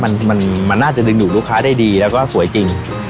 มันมันน่าจะดึงดูดลูกค้าได้ดีแล้วก็สวยจริง